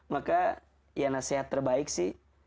maka ya nasihat terbaik sih